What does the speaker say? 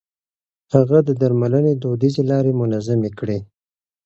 هغه د درملنې دوديزې لارې منظمې کړې.